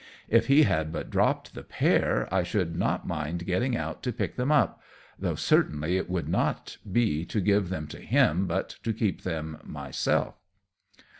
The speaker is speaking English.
If he had but dropped the pair, I should not mind getting out to pick them up though certainly it would not be to give them to him, but to keep them myself."